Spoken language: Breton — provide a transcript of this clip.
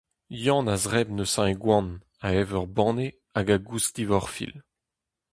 Yann a zebr neuze e goan, a ev ur banne hag a gousk divorfil.